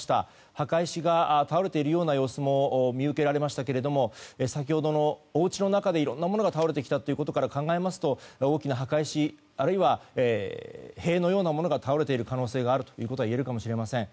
墓石が倒れている様子も見受けられましたが先ほどのおうちの中でいろんなものが倒れてきたことから考えますと大きな墓石、あるいは塀のようなものが倒れている可能性があるということは言えるかもしれません。